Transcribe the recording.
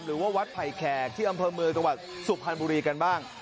หรือว่าวัดไผ่แขกที่อำเภอเมืองจังหวัดสุพรรณบุรีกันบ้าง